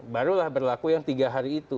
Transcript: barulah berlaku yang tiga hari itu